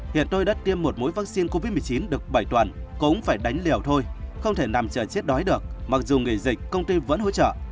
hiện tôi đã tiêm một mũi vaccine covid một mươi chín được bảy tuần cũng phải đánh liều thôi không thể nằm chờ chết đói được mặc dù nghỉ dịch công ty vẫn hỗ trợ